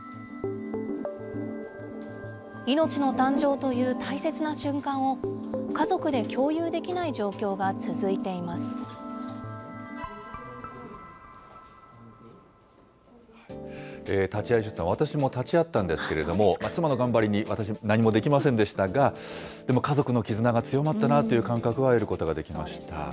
命の誕生という大切な瞬間を、家族で共有できない状況が続いてい立ち会い出産、私も立ち会ったんですけれども、妻の頑張りに、私、何もできませんでしたが、でも家族の絆が強まったなあという感覚は得ることができました。